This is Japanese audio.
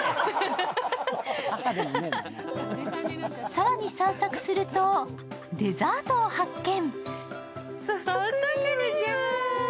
更に散策すると、デザートを発見。